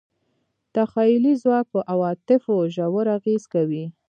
تخیلي ځواک په عواطفو ژور اغېز کوي.